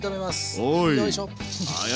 はい。よいしょ。